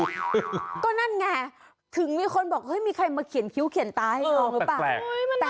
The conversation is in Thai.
ก็นั่นไงถึงมีคนบอกเฮ้ยมีใครมาเขียนคิ้วเขียนตาให้น้องหรือเปล่า